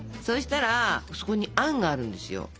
そしたらそこにあんがあるんですよ。